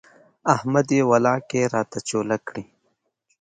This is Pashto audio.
احمد يې ولاکه راته چوله کړي.